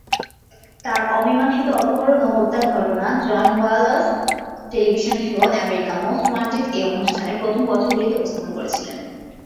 তার অমীমাংসিত অপহরণ ও হত্যার ঘটনা John Walsh television show "America most wanted -এ" অনুষ্ঠানের প্রথম বছরগুলিতে উপস্থাপন করেছিলেন।